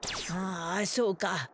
あそうか。